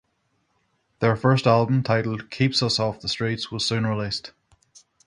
Their first album, titled "Keeps Us Off the Streets", was soon released.